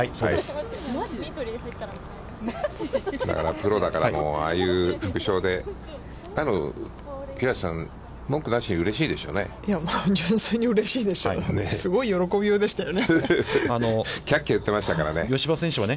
プロだから、ああいう副賞で平瀬さん、文句なしにうれしいでしょうね。